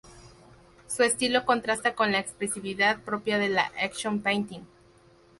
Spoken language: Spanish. Su estilo contrasta con la expresividad propia de la action painting.